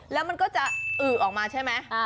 แล้วมันก็จะอึออกมาใช่ไหม